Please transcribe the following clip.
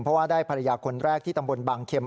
เพราะว่าได้ภรรยาคนแรกที่ตำบลบางเข็ม